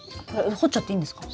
掘っちゃっていいんですか？